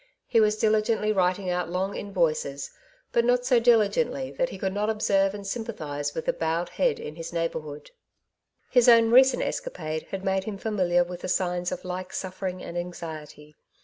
He was diligently writing out long invoices, but not so diligently that he could uot observe and sympathize with the bowed head in his neighbourhood. His own recent escapade had made him familiar with the signs of like suffering and anxiety.